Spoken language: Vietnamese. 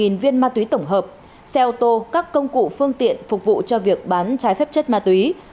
một mươi viên ma túy tổng hợp xe ô tô các công cụ phương tiện phục vụ cho việc bán trái phép chất ma túy